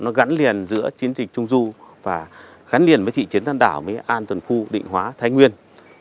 nó gắn liền giữa chiến dịch trung du và gắn liền với thị trấn tân đảo với an toàn khu định hóa thái nguyên